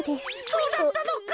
そうだったのか！